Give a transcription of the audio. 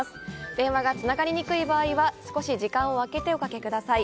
電話がつながりにくい場合は少し時間をあけておかけください。